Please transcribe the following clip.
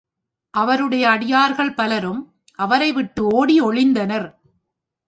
அவருடைய அடியார்கள் பலரும் அவரைவிட்டு ஓடி ஒளிந்தனர்.